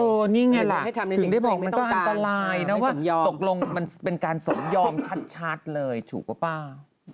นี่ไงล่ะสิ่งที่บอกมันก็อันตรายนะว่าตกลงมันเป็นการสมยอมชัดเลยถูกป่ะป้า